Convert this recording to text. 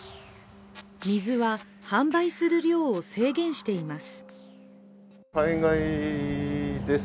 水は、販売する量を制限しています。